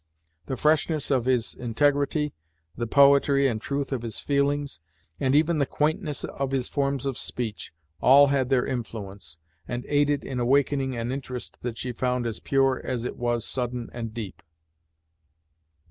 The freshness of his integrity, the poetry and truth of his feelings, and even the quaintness of his forms of speech, all had their influence, and aided in awakening an interest that she found as pure as it was sudden and deep.